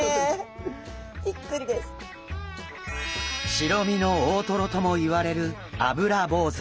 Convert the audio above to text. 白身の大トロともいわれるアブラボウズ。